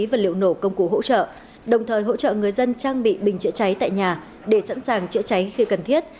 và liệu nổ công cụ hỗ trợ đồng thời hỗ trợ người dân trang bị bình chữa cháy tại nhà để sẵn sàng chữa cháy khi cần thiết